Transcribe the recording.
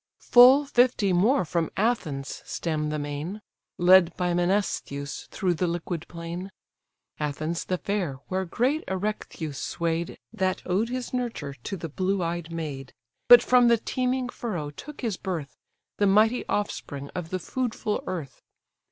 Full fifty more from Athens stem the main, Led by Menestheus through the liquid plain. (Athens the fair, where great Erectheus sway'd, That owed his nurture to the blue eyed maid, But from the teeming furrow took his birth, The mighty offspring of the foodful earth.